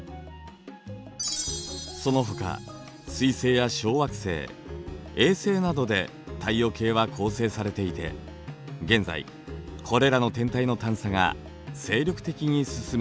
そのほか彗星や小惑星衛星などで太陽系は構成されていて現在これらの天体の探査が精力的に進められています。